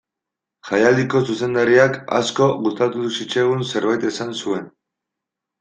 Jaialdiko zuzendariak asko gustatu zitzaigun zerbait esan zuen.